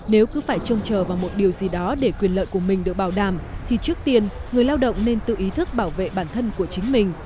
nếu cứ phải trông chờ vào một điều gì đó để quyền lợi của mình được bảo đảm thì trước tiên người lao động nên tự ý thức bảo vệ bản thân của chính mình